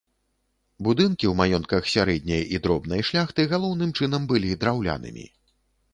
Будынкі ў маёнтках сярэдняй і дробнай шляхты галоўным чынам былі драўлянымі.